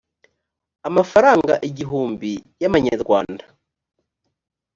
amafaranga igihumbi y amanyarwanda